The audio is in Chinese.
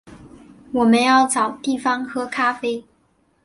我们找地方要喝咖啡